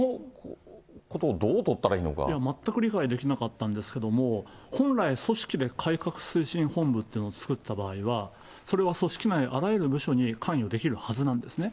このこと、全く理解できなかったんですけども、本来、組織で改革推進本部っていうのを作った場合は、それは組織内、あらゆる部署に関与できるはずなんですね。